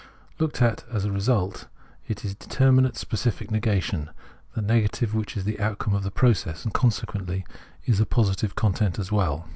Looked at as a result, it is determinate specific negation, the negative which is the outcome of this process, and consequently is a positive content as well.